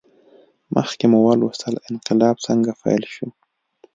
مخکې مو ولوستل انقلاب څنګه پیل شو.